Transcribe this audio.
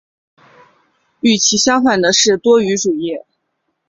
与其相反的是多语主义。